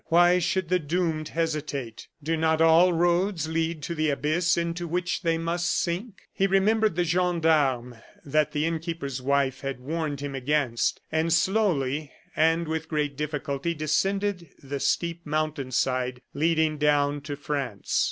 Why should the doomed hesitate? Do not all roads lead to the abyss into which they must sink? He remembered the gendarmes that the innkeeper's wife had warned him against, and slowly and with great difficulty descended the steep mountainside leading down to France.